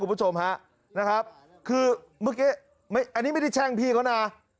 คุณผู้ชมฮะนะครับคือเมื่อกี้อันนี้ไม่ได้แช่งพี่เขานะ